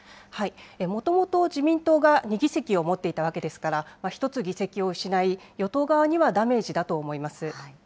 もともと自民党が２議席を持っていたわけですから、１つ議席を失い、与党側にはダメージだと思います。